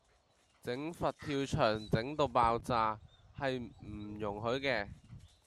整佛跳牆整到爆炸，係唔容許嘅